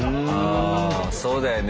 あそうだよね。